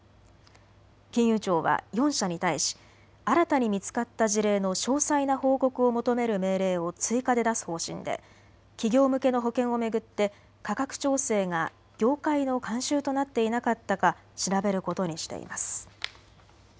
金融庁は４社に対し新たに見つかった事例の詳細な報告を求める命令を追加で出す方針で企業向けの保険を巡って価格調整が業界の慣習となっていなかったか調べることにしています。